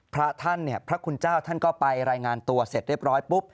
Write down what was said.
พระท่านเนี่ยพระคุณเจ้าท่านก็ไปรายงานตัวเสร็จเรียบร้อยปุ๊บ